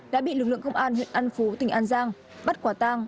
đã bị lực lượng công an huyện an phú tỉnh an giang bắt quả tang